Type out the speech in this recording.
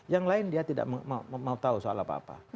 yang lain dia tidak mau tahu soal apa apa